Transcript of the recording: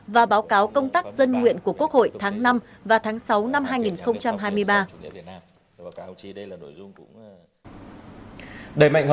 và báo cáo công tác dân nguyện của quốc hội tháng năm và tháng sáu năm hai nghìn hai mươi ba